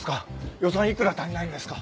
予算幾ら足りないんですか？